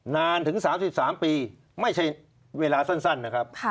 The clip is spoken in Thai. นานถึง๓๓ปีไม่ใช่เวลาสั้นนะครับ